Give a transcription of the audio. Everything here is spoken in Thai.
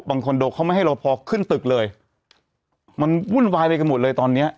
คอนโดเขาไม่ให้รอพอขึ้นตึกเลยมันวุ่นวายไปกันหมดเลยตอนเนี้ย